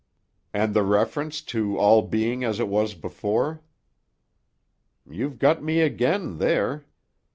"And the reference to all being as it was before?" "You've got me again, there.